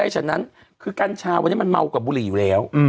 ฉันนั้นซึ่งกันชาววันนี้มันเม่ากว่าบุหรี่อยู่แล้ว